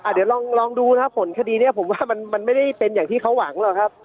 เดี๋ยวลองดูนะครับผลคดีนี้ผมว่ามันไม่ได้เป็นอย่างที่เขาหวังหรอกครับ